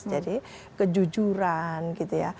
jadi kejujuran gitu ya